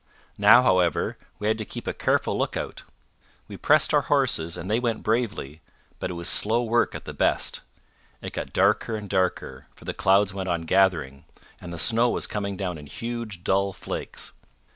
Now, however, we had to keep a careful lookout. We pressed our horses, and they went bravely, but it was slow work at the best. It got darker and darker, for the clouds went on gathering, and the snow was coming down in huge dull flakes.